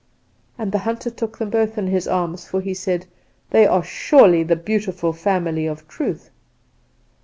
"And the hunter took them both in his arms for he said "'They are surely of the beautiful family of Truth.